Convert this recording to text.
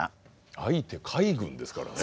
相手海軍ですからね。